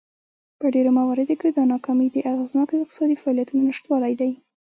په ډېرو مواردو کې دا ناکامي د اغېزناکو اقتصادي فعالیتونو نشتوالی دی.